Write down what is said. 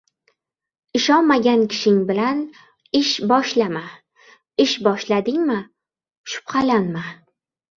• Ishonmagan kishing bilan ish boshlama, ish boshladingmi — shubhalanma.